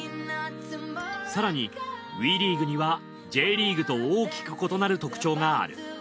更にＷＥリーグにはＪリーグと大きく異なる特徴がある。